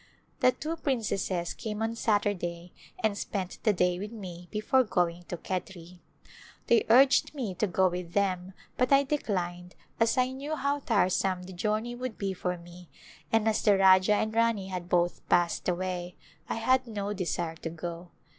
The two princesses came on Saturday and spent the day with me before going to Khetri. They urged me to go with them but I declined as I knew how tire some the journey would be for me and as the Rajah and Rani had both passed away I had no desire to go.